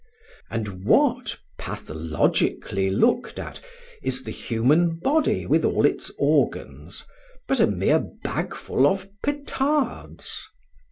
And what, pathologically looked at, is the human body with all its organs, but a mere bagful of petards?